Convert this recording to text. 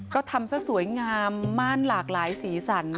ก็ทำซะสวยงามม่านหลากหลายสีสัน